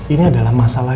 ini adalah masalah